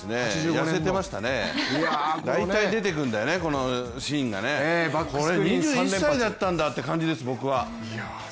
痩せてましたね、大体出てくるんだよね、このシーンがね。これ２１歳だったんだっていう感じです、僕は。